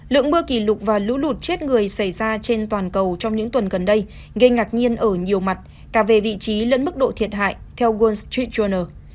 lượng mưa kỷ lục và lũ lụt chết người xảy ra trên toàn cầu trong những tuần gần đây gây ngạc nhiên ở nhiều mặt cả về vị trí lẫn mức độ thiệt hại theo worldstreet journal